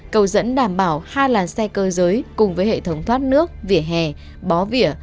cầu dẫn đảm bảo hai làn xe cơ giới cùng với hệ thống thoát nước vỉa hè bó vỉa